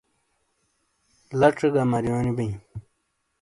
لاژے گہ ماریونئ بئے